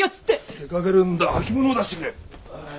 出かけるんだ履物を出してくれ。